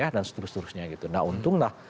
dan seterusnya nah untunglah